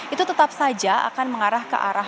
itu tetap saja akan mengarah ke arah